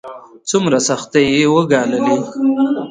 څومره سختۍ يې وګاللې.